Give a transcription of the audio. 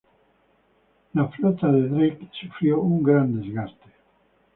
La flota de Drake sufrió un gran desgaste.